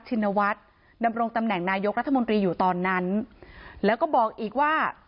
เพราะไม่มีเงินไปกินหรูอยู่สบายแบบสร้างภาพ